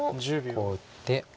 こう打って。